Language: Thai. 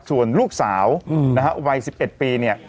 ส่วนลูกสาวนะฮะวัย๑๑ปีเนี่ย